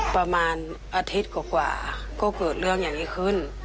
ประมาณอาทิตย์กว่าก็เกิดเรื่องอย่างนี้ขึ้น